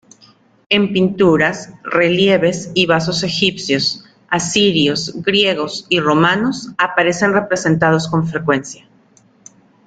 En pinturas, relieves y vasos egipcios, asirios, griegos y romanos, aparecen representados con frecuencia.